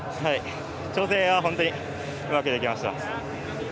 調整は本当にうまくできました。